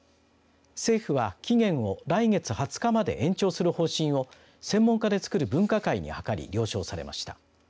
政府は期限を来月２０日まで延長する方針を専門家で作る分科会に諮り、了承されました。